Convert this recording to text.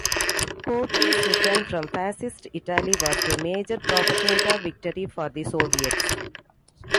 Gorky's return from Fascist Italy was a major propaganda victory for the Soviets.